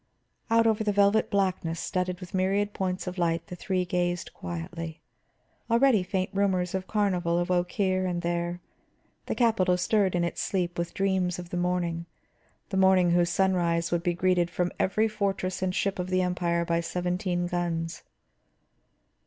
Out over the velvet blackness studded with myriad points of light the three gazed quietly. Already faint rumors of carnival awoke here and there. The capital stirred in its sleep with dreams of the morning, the morning whose sunrise would be greeted from every fortress and ship of the empire by seventeen guns.